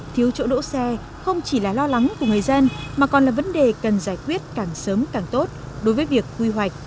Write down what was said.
thiếu chỗ đỗ xe không chỉ là lo lắng của người dân mà còn là vấn đề cần giải quyết càng sớm càng tốt đối với việc quy hoạch